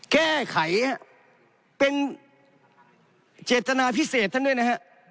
แก้ไขเป็นเจตนาพิเศษท่านด้วยนะฮะ